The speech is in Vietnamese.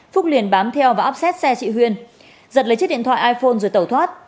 phúc liền bám theo và áp xét xe chị huyên giật lấy chiếc điện thoại iphone rồi tẩu thoát